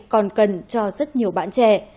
còn cần cho rất nhiều bạn trẻ